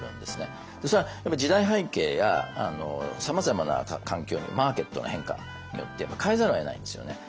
それは時代背景やさまざまな環境マーケットの変化によって変えざるをえないんですよね。